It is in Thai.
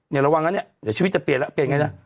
ระวังงั้นเนี่ยเดี๋ยวชีวิตจะเปลี่ยนแล้วเปลี่ยนไงนะ